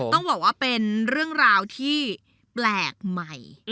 ต้องบอกว่าเป็นเรื่องราวที่แปลกใหม่